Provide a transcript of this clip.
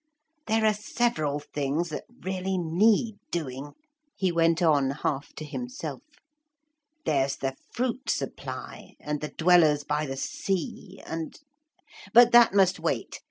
There are several things that really need doing,' he went on half to himself. 'There's the fruit supply, and the Dwellers by the sea, and But that must wait.